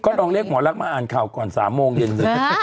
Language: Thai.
ก็นองเลียกหมอรักษ์มาอ่านข่าวก่อน๓โมงเย็นหนึ่ง